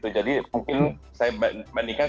jadi mungkin saya bandingkan seperti